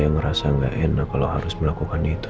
perjanjian saya dan bapak but anger delapan